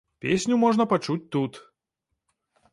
Песню можна пачуць тут.